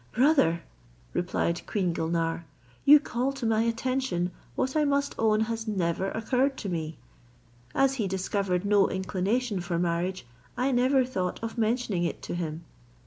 "Brother," replied queen Gulnare, "you call to my attention what I must own has never occurred to me. As he discovered no inclination for marriage, I never thought of mentioning it to him.